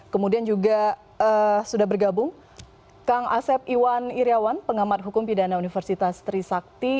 kemudian juga sudah bergabung kang asep iwan iryawan pengamat hukum pidana universitas trisakti